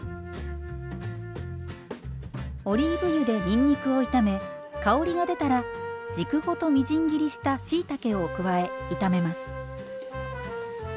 オリーブ油でにんにくを炒め香りが出たら軸ごとみじん切りしたしいたけを加え炒めます。